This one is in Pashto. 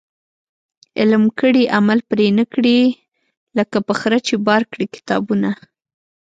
علم کړي عمل پري نه کړي ، لکه په خره چي بار کړي کتابونه